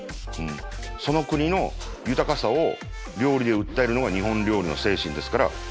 その国の豊かさを料理で訴えるのが日本料理の精神ですから。